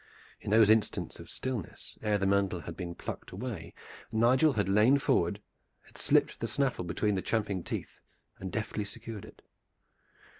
In those instants of stillness ere the mantle had been plucked away Nigel had lain forward, had slipped the snaffle between the champing teeth, and had deftly secured it.